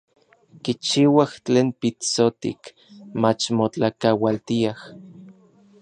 Kichiuaj tlen pitsotik, mach motlakaualtiaj.